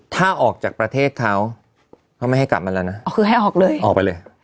ถ้าออกจากประเทศเขาเขาไม่ให้กลับมาแล้วนะคือให้ออกเลยออกไปเลย